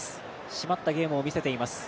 締まったゲームをみせています。